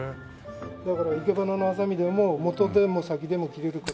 だから生け花のはさみでも元でも先でも切れるからほら。